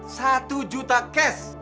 satu juta cash